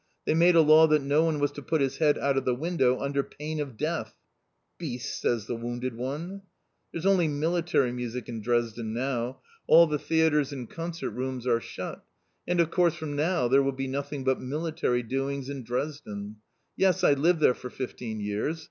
They made a law that no one was to put his head out of the window under pain of death!" "Beasts!" says the wounded one. "There's only military music in Dresden now. All the theatres and concert rooms are shut. And of course from now there will be nothing but military doings in Dresden! Yes, I lived there for fifteen years.